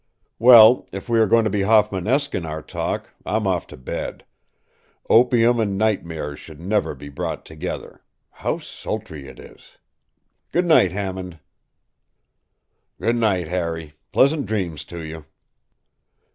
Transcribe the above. ” “Well, if we are going to be Hoffmanesque in our talk, I’m off to bed. Opium and nightmares should never be brought together. How sultry it is! Good night, Hammond.” “Good night, Harry. Pleasant dreams to you.